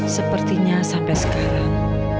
sepertinya sampai sekarang